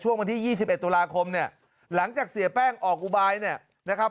วันที่๒๑ตุลาคมเนี่ยหลังจากเสียแป้งออกอุบายเนี่ยนะครับ